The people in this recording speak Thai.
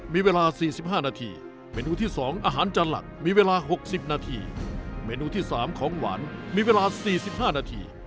เมนูที่๑ออเดิบมีเวลา๔๕นาที